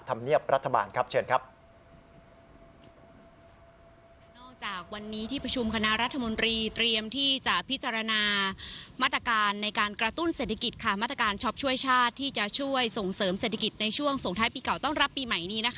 ติดตามการรายงานสดจากผู้ศิษย์ของของเราคุณเสดี